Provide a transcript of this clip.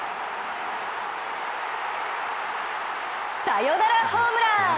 サヨナラホームラン。